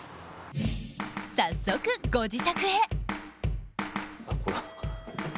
早速、ご自宅へ。